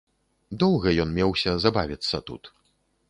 Доўга ён меўся забавіцца тут.